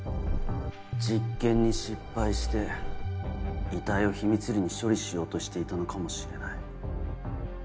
実験に失敗して遺体を秘密裏に処理しようとしていたのかもしれない。